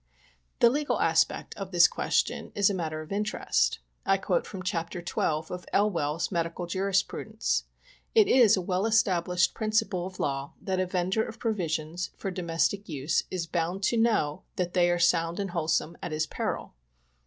The legal aspect of this question is a matter of interest. I quote from chapter XII. of Elwell's Medical Jurisprudence. " It is a well established principle of law that a vendor of provisions for domestic use is bound to knoio that they are sound and wholesome, at his peril.